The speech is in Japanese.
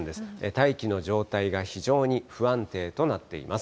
大気の状態が非常に不安定となっています。